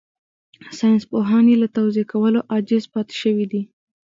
ساينسپوهان يې له توضيح کولو عاجز پاتې شوي دي.